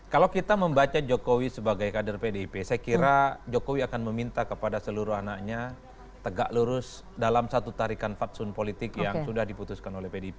kalau kita membaca jokowi sebagai kader pdip saya kira jokowi akan meminta kepada seluruh anaknya tegak lurus dalam satu tarikan fatsun politik yang sudah diputuskan oleh pdip